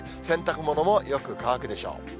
洗濯物もよく乾くでしょう。